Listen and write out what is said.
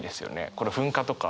この「噴火」とか。